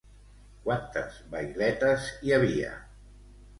Quantes vailetes hi havia?